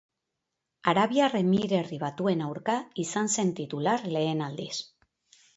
Arabiar Emirerri Batuen aurka izan zen titular lehen aldiz.